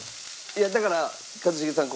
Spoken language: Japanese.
いやだから一茂さん